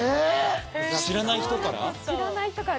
知らない人から？